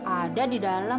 ada di dalam